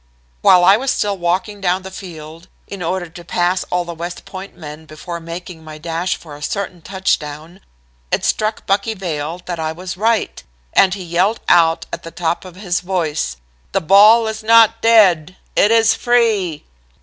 While I was still walking down the field, in order to pass all the West Point men, before making my dash for a certain touchdown, it struck Bucky Vail that I was right, and he yelled out at the top of his voice. 'The ball is not dead. It is free.'